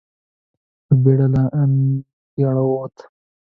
په بېړه له انګړه ووت.